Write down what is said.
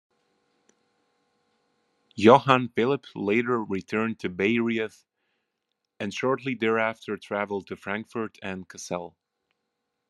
Johann Philipp later returned to Bayreuth, and shortly thereafter travelled to Frankfurt and Kassel.